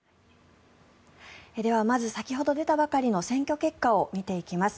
では、まず先ほど出たばかりの選挙結果を見ていきます。